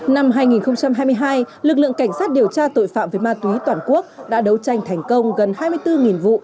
năm hai nghìn hai mươi hai lực lượng cảnh sát điều tra tội phạm về ma túy toàn quốc đã đấu tranh thành công gần hai mươi bốn vụ